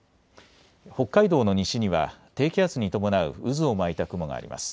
北海道の西には低気圧に伴う渦を巻いた雲があります。